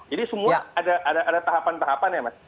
jadi semua ada tahapan tahapan ya mas